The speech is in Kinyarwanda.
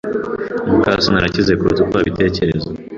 muka soni arakize kuruta uko wabitekereza.